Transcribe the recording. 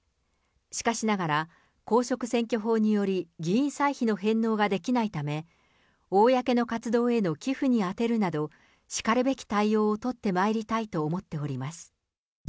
しかしながら、公職選挙法により、議員歳費の返納ができないため、公の活動への寄付に充てるなど、しかるべき対応を取ってまいりたいと思っております。